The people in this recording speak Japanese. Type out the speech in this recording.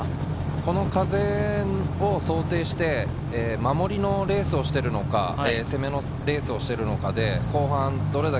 この風を想定して守りのレースをしているのか、攻めのレースをしているのかで後半どれだ